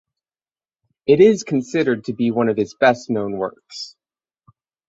It is considered to be one of his best known works.